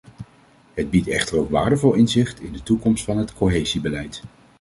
Het biedt echter ook waardevol inzicht in de toekomst van het cohesiebeleid.